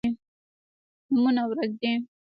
نومونه ورک دي